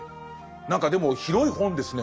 何かでも広い本ですね。